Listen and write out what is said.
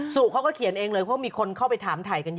สู่เขาก็เขียนเองเลยเพราะมีคนเข้าไปถามถ่ายกันเยอะ